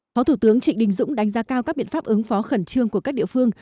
phó thủ tướng trịnh đình dũng đánh giá cao các biện pháp ứng phó khẩn trương của các địa phương